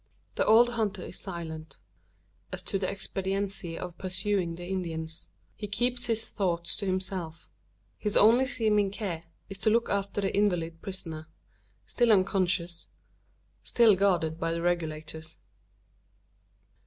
The old hunter is silent, as to the expediency of pursuing the Indians. He keeps his thoughts to himself: his only seeming care is to look after the invalid prisoner still unconscious still guarded by the Regulators.